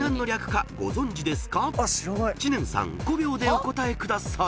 ［知念さん５秒でお答えください］